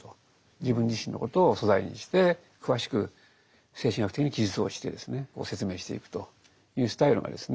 自分自身のことを素材にして詳しく精神医学的に記述をして説明していくというスタイルがですね